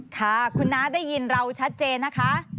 ค่ะคุณน้าได้ยินเราชัดเจนนะคะ